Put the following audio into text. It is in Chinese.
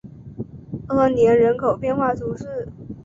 阿年人口变化图示